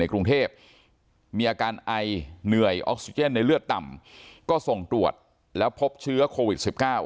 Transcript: กรุงเทพมีอาการไอเหนื่อยออกซิเจนในเลือดต่ำก็ส่งตรวจแล้วพบเชื้อโควิด๑๙